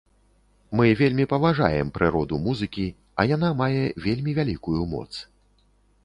Мы вельмі паважаем прыроду музыкі, а яна мае вельмі вялікую моц.